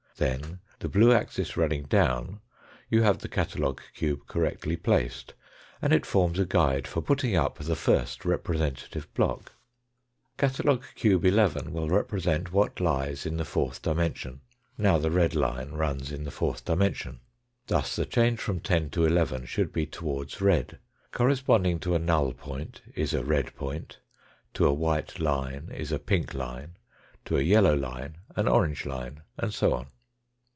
Then the blue axis running down you have the catalogue cube correctly placed, and it forms a guide for putting up the first representative block. Catalogue cube 11 will represent what lies in the fourth dimension now the red line runs in the fourth dimen sion. Thus the change from 10 to 11 should be towards red, corresponding to a null point is a red point, to a white line is a pink line, to a yellow line an orange line, and so on.